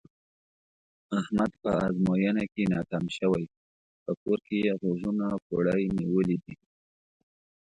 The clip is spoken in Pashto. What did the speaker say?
احمد په ازموینه کې ناکام شوی، په کور کې یې غوږونه کوړی نیولي دي.